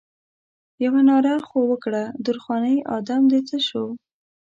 یوه ناره خو وکړه درخانۍ ادم دې څه شو؟